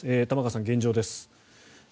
玉川さん、現状です。